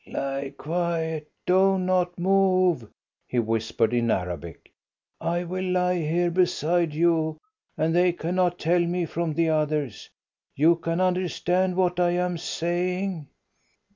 "Lie quiet! Do not move!" he whispered, in Arabic. "I will lie here beside you, and they cannot tell me from the others. You can understand what I am saying?"